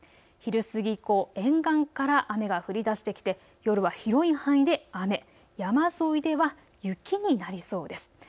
昼過ぎ以降、沿岸から雨が降りだしてきて夜は広い範囲で雨、山沿いでは雪になりそうです。